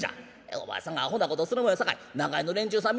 お前さんがアホなことをするもんやさかい長屋の連中さん